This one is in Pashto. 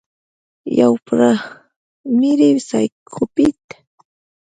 يوه پرائمري سايکوپېت